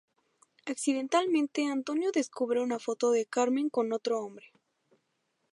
Accidentalmente Antonio descubre una foto de Carmen con otro hombre.